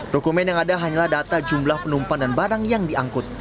dokumen yang ada hanyalah data jumlah penumpang dan barang yang diangkut